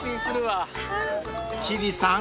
［千里さん